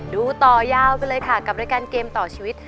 ดูต่อยาวไปเลยค่ะกับรายการเกมต่อชีวิต